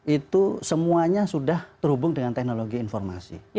itu semuanya sudah terhubung dengan teknologi informasi